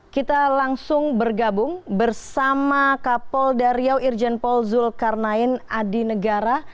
kita langsung bergabung bersama kapol dari riau irjen paul zulkarnain adi negara